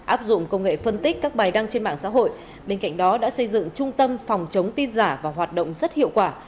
áp dụng công nghệ phân tích các bài đăng trên mạng xã hội bên cạnh đó đã xây dựng trung tâm phòng chống tin giả và hoạt động rất hiệu quả